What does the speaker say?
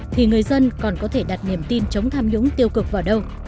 thì người dân còn có thể đặt niềm tin chống tham nhũng tiêu cực vào đâu